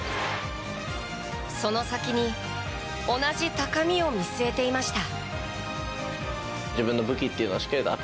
その先に同じ高みを見据えていました。